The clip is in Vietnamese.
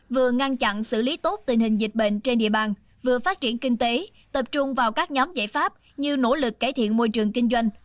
vừa ngăn chặn xử lý tốt tình hình dịch bệnh trên địa bàn vừa phát triển kinh tế tập trung vào các nhóm giải pháp như nỗ lực cải thiện môi trường kinh doanh